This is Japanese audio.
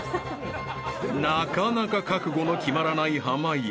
［なかなか覚悟の決まらない濱家］